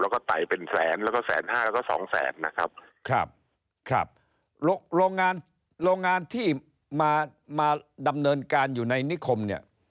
แล้วก็ไต่เป็นแสนแล้วก็แสนห้าแล้วก็สองแสนนะครับครับครับโรงโรงงานโรงงานที่มามาดำเนินการอยู่ในนิคมเนี่ย